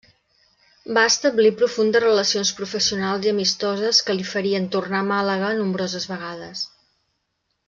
Va establir profundes relacions professionals i amistoses que li farien tornar a Màlaga nombroses vegades.